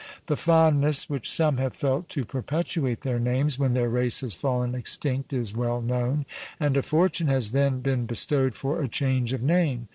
The fondness which some have felt to perpetuate their names, when their race has fallen extinct, is well known; and a fortune has then been bestowed for a change of name.